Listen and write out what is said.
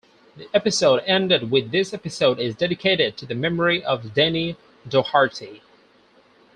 The episode ended with This episode is dedicated to the memory of Denny Doherty.